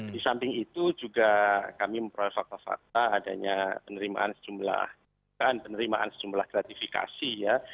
di samping itu juga kami memperoleh fakta fakta adanya penerimaan sejumlah gratifikasi